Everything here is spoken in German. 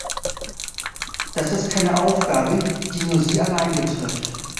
Das ist keine Aufgabe, die nur Sie allein betrifft.